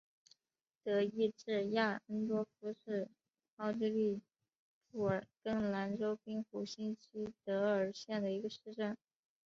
德意志亚恩多夫是奥地利布尔根兰州滨湖新锡德尔县的一个市镇。